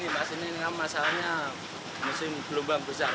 masa ini masalahnya musim gelombang besar